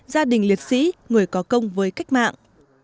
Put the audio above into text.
gia đình liệt sĩ người có công với cách mạng